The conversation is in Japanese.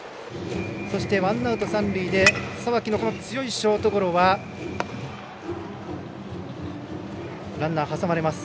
そしてワンアウト、三塁で佐脇の強いショートゴロはランナー、挟まれます。